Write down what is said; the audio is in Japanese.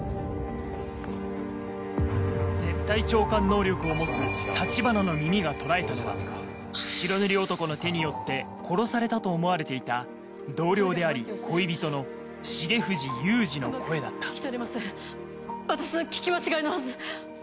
絶対聴感能力を持つ橘の耳が捉えたのは白塗り男の手によって殺されたと思われていた同僚であり恋人の重藤雄二の声だった私の聞き間違いのはず。